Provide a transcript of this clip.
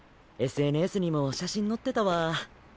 ＳＮＳにも写真載ってたわ。